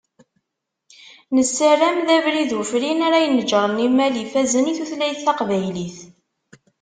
Nessaram d abrid ufrin ara ineǧren imal ifazen i tutlayt taqbaylit.